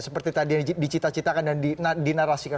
seperti tadi yang dicita citakan dan dinarasikan